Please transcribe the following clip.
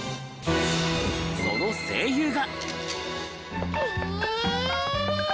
その声優が。